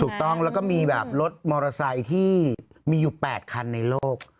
ถูกต้องแล้วก็มีแบบรถมอเตอร์ไซค์ที่มีอยู่๘คันในโลก